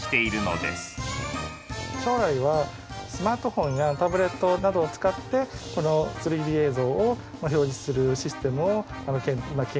将来はスマートフォンやタブレットなどを使ってこの３Ｄ映像を表示するシステムを今研究開発進めております。